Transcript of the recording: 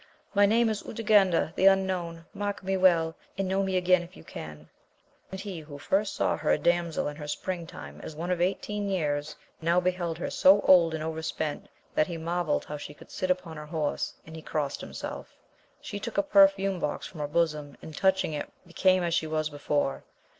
My name is Urganda the Unknown, mark me well, and know me again if you can ! And he who first saw her a damsel in her spring time, as one of eighteen years, now beheld her so old and overspent, that he marvailed how she could sit upon her horse, and he crost himself. She took a perfume box from her bosom and touching it became as she was before.